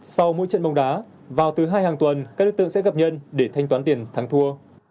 sau mỗi trận bóng đá vào thứ hai hàng tuần các đối tượng sẽ gặp nhân để thanh toán tiền thắng thua